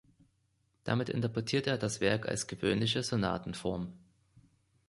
Damit interpretiert er das Werk als gewöhnliche Sonatenform.